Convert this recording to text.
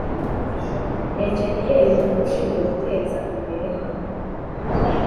Enjeniyeri Mukuru ushinzwe guteza imbere